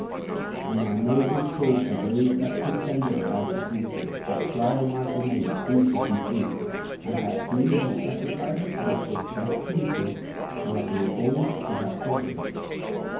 4. And now Moses called for those that contended about the priesthood, that trial might be made who should be priest, and that he whose sacrifice God was best pleased with might be ordained to that function.